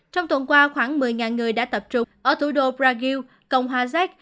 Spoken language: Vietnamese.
trong tuần qua khoảng một mươi người đã tập trung ở thủ đô brazil cộng hòa giác